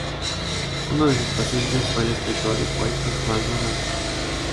Uno de sus pacientes fue el escritor y poeta Osvaldo Lamborghini.